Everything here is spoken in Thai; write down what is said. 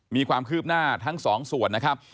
มีความคืบหน้าทั้งสองส่วนนะครับ